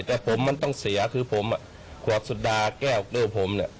แต่ผมมันต้องเสียคือผมอ่ะหวัดสุดาแก้วด้วยผมเนี่ย